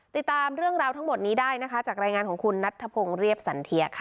ติดตามเรื่องราวทั้งหมดนี้ได้นะคะจากรายงานของคุณนัทธพงศ์เรียบสันเทียค่ะ